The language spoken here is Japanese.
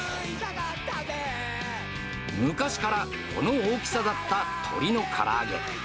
昔からこの大きさだった鶏のから揚げ。